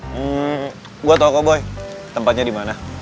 hmmm gue tau kok boi tempatnya dimana